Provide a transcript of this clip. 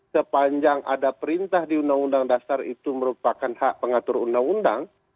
sepanjang ada perintah di undang undang dasar itu merupakan hak pengatur undang undang